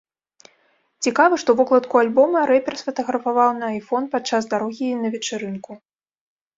Цікава, што вокладку альбома рэпер сфатаграфаваў на айфон падчас дарогі на вечарынку.